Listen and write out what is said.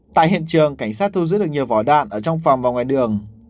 tại hiện trường cảnh sát thu giữ được nhiều vỏ đạn ở trong phòng và ngoài đường